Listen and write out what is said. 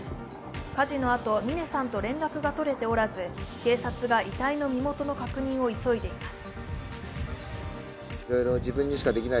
火事の後、峰さんと連絡が取れておらず遺体の身元の確認を急いでいます。